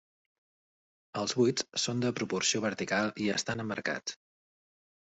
Els buits són de proporció vertical i estan emmarcats.